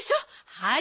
はい。